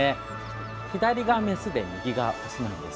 左がメスで右がオスなんです。